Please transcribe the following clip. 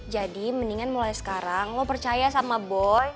jadi mendingan mulai sekarang lo percaya sama boy